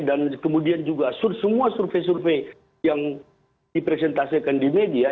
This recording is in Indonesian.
dan kemudian juga semua survei survei yang dipresentasikan di media